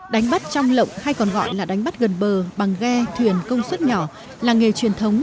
đánh bắt trong lộng hay còn gọi là đánh bắt gần bờ bằng ghe thuyền công suất nhỏ là nghề truyền thống